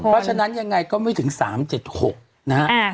เพราะฉะนั้นยังไงก็ไม่ถึง๓๗๖นะฮะ